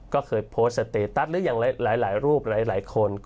ก็เคยโพสต์สเตตัสหรืออย่างหลายรูปหลายคน